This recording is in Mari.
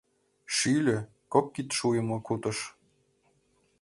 Шӱльӧ — кок кид шуйымо кутыш.